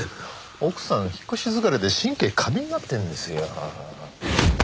奥さん引っ越し疲れで神経過敏になってるんですよ。